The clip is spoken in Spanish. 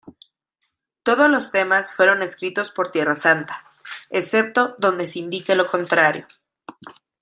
Todos los temas fueron escritos por Tierra Santa, excepto donde se indique lo contrario.